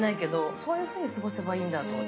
そういうふうに過ごせばいいんだと思って。